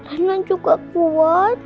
reina juga kuat